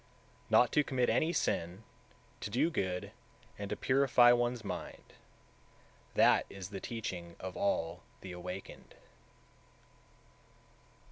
183. Not to commit any sin, to do good, and to purify one's mind, that is the teaching of (all) the Awakened.